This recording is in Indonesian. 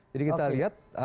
jadi kita lihat